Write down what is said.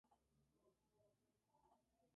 Actualmente se conserva la cabeza en la iglesia.